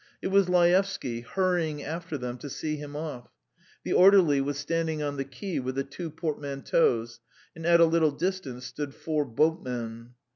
It was Laevsky, hurrying after them to see him off. The orderly was standing on the quay with the two portmanteaus, and at a little distance stood four boatmen.